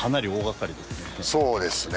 そうですね。